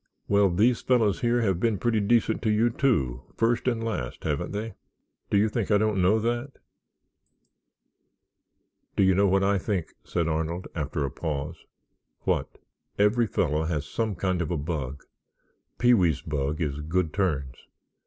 "Well, these fellows here have been pretty decent to you, too, first and last, haven't they?" "Do you think I don't know that?" "Do you know what I think?" said Arnold, after a pause. "What?" "Every fellow has some kind of a bug. Pee wee's bug is good turns.